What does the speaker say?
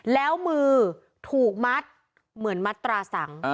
แล้วมือถูกมัดเหมือนมัดตราสัง